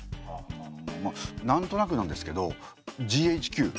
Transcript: なんとなくなんですけどＧＨＱ